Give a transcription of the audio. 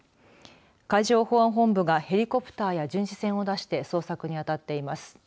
海上保安本部がヘリコプターや巡視船を出して捜索にあたっています。